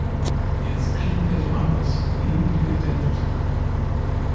Jetzt klingt er so anders, irgendwie gedämpft.